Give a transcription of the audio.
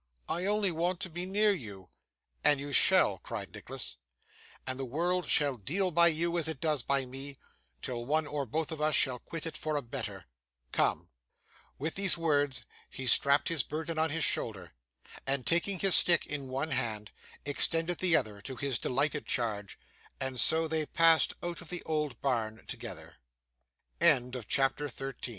I only want to be near you.' 'And you shall,' cried Nicholas. 'And the world shall deal by you as it does by me, till one or both of us shall quit it for a better. Come!' With these words, he strapped his burden on his shoulders, and, taking his stick in one hand, extended the other to his delighted charge; and so they passed out of